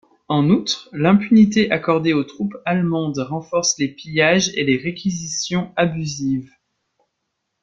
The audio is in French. En outre, l'impunité accordée aux troupes allemandes renforce les pillages et les réquisitions abusives.